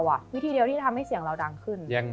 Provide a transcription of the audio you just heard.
วิธีเดียวที่ทำให้เสียงเราดังขึ้น